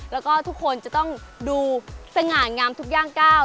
แล้วก็ทุกคนจะต้องดูสง่างามทุกย่างก้าว